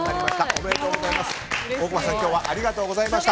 おめでとうございます。